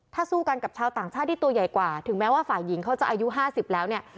ถ้าสู้กันกับชาวต่างชาติที่ตัวใหญ่กว่าถึงแม้ว่าฝ่ายหญิงเขาจะอายุ๕๐แล้วเนี่ย